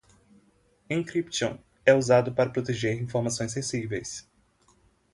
Encryption é usada para proteger informações sensíveis.